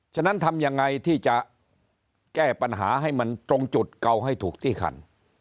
ฉะนั้นทำยังไงที่จะแก้ปัญหาให้มันตรงจุดเกาให้ถูกที่คัน